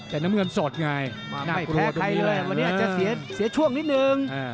แต่น้ำเงินสดไงไม่แพ้ใครเลยวันนี้อาจจะเสียช่วงนิดนึง